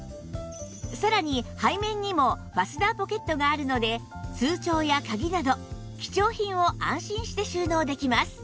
さらに背面にもファスナーポケットがあるので通帳や鍵など貴重品を安心して収納できます